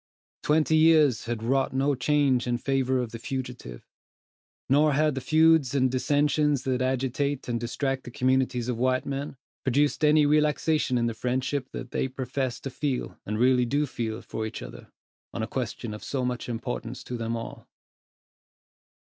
Twenty years had wrought no change in favor of the fugitive; nor had the feuds and dissentions that agitate and distract the communities of white men, produced any relaxation in the friendship that they profess to feel, and really do feel, for each other, on a question of so much importance to them all.